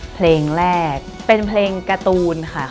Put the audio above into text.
เพลงแรกเป็นเพลงการ์ตูนค่ะ